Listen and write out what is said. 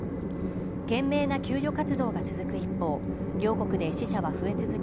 懸命な救助活動が続く一方両国で死者は増え続け